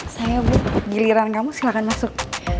saya bu giliran kamu silahkan masuk